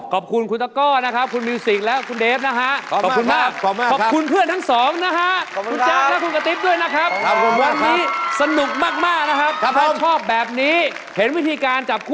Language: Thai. ขอบคุณคุณตะก้อนะครับคุณมิวสิกและคุณเดฟนะฮะ